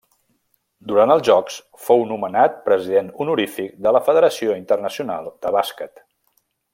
Durant els Jocs, fou nomenat President Honorífic de la Federació Internacional de Bàsquet.